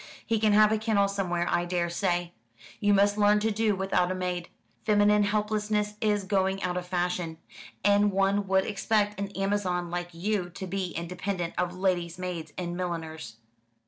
He can have a kennel somewhere, I daresay. You must learn to do without a maid. Feminine helplessness is going out of fashion; and one would expect an Amazon like you to be independent of lady's maids and milliners."